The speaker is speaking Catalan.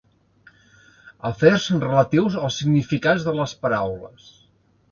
Afers relatius als significats de les paraules.